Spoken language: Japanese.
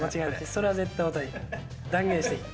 それは絶対、大谷、断言していい。